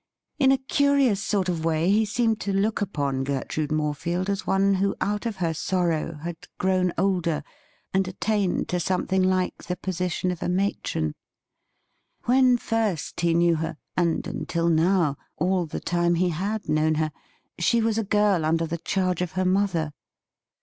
In a curious soi't of way he seemed to look upon Gertrude Morefield as one who out of her sorrow had grown older, and attained to something like the position of a matron. When first he knew her, and, until now, all the time he had known her, she was a girl under the charge of her mother.